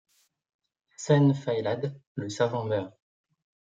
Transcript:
Cenn Faelad, le savant meurt.